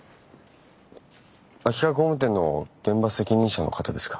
秋川工務店の現場責任者の方ですか？